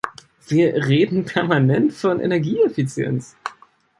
Wir reden permanent von Energieeffizienz.